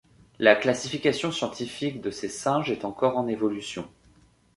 La classification scientifique de ces singes est encore en évolution.